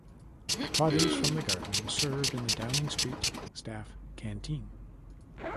Produce from the garden was served in the Downing Street staff canteen.